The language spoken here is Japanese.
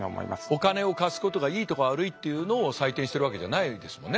お金を貸すことがいいとか悪いっていうのを採点してるわけじゃないですもんね